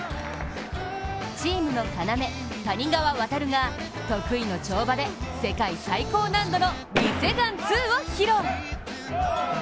チームの要・谷川航が得意の跳馬で世界最高難易度のリ・セグァン２を披露。